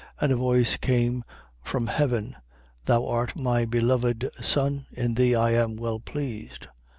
And a voice came from heaven: Thou art my beloved Son. In thee I am well pleased.